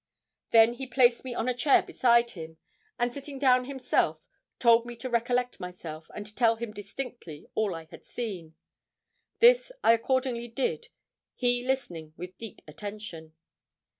Then he placed me on a chair beside him, and sitting down himself, told me to recollect myself, and tell him distinctly all I had seen. This accordingly I did, he listening with deep attention.